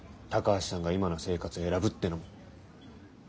高橋さんが今の生活を選ぶってのも。